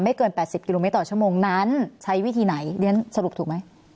เกิน๘๐กิโลเมตรต่อชั่วโมงนั้นใช้วิธีไหนเรียนสรุปถูกไหม